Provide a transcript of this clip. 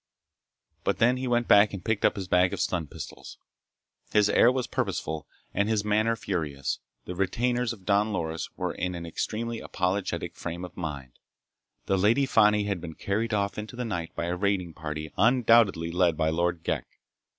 But then he went back and picked up his bag of stun pistols. His air was purposeful and his manner furious. The retainers of Don Loris were in an extremely apologetic frame of mind. The Lady Fani had been carried off into the night by a raiding party undoubtedly led by Lord Ghek.